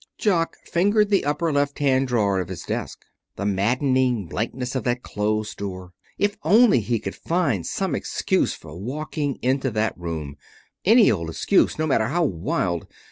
Jock fingered the upper left hand drawer of his desk. The maddening blankness of that closed door! If only he could find some excuse for walking into that room any old excuse, no matter how wild!